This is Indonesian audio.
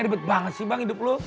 ribet banget sih bang hidup lo